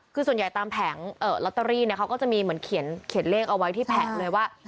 คือส่วนใหญ่ตามแผงลอตเตอรี่เขาก็จะมีเหมือนเขียนเลขเอาไว้ที่แผงเลยว่า